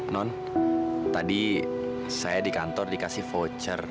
non tadi saya di kantor dikasih voucher